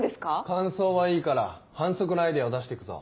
感想はいいから販促のアイデアを出して行くぞ。